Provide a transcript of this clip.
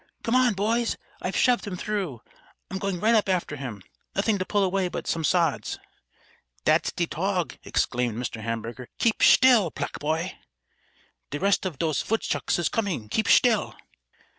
"Come on, boys! I've shoved him through. I'm going right up after him. Nothing to pull away but some sods." "Dat's de tog!" exclaimed Mr. Hamburger. "Keep shtill, black poy! De rest of dose vootshucks is coming. Keep shtill."